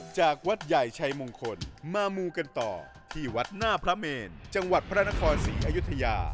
จากวัดใหญ่ชายมงคลมามูกันต่อ